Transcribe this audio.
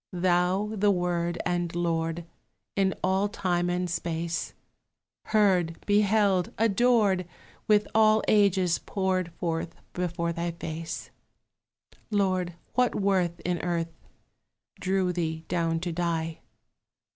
Thou the Word and Lord In all time and space Heard, beheld, adored, With all ages poured Forth before thy face, Lord, what worth in earth Drew thee down to die?